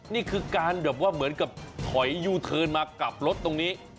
นี่คือการแบบว่าเหมือนกับถอยยูเทิร์นมากลับรถตรงนี้